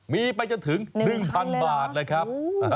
มีไปจนถึง๑๐๐๐บาทเลยครับ